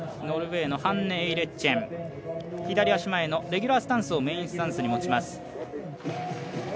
ノルウェーのハンネ・エイレッチェン左足前のレギュラースタンスをメインスタンスに持ちます。